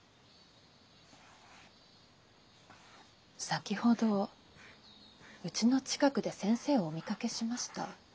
先ほどうちの近くで先生をお見かけしました。